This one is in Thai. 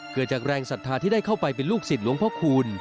เกิดจากแรงศรัทธาที่ได้เข้าไปเป็นลูกศิษย์หลวงพ่อคูณ